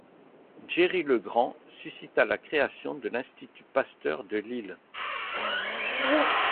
Géry Legrand suscita la création de l'Institut Pasteur de Lille.